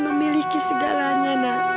dan memiliki segalanya